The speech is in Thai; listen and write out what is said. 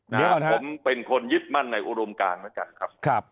ผมเป็นคนยึดมั่นในอุโรมการเหมือนกันครับ